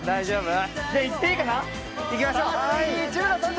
いきましょう！